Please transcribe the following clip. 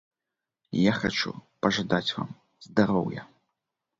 Я хачу пажадаць вам здароўя.